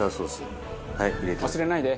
忘れないで。